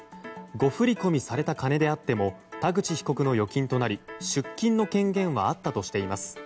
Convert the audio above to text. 誤振込された金であっても田口被告の預金となり出金の権限はあったとしています。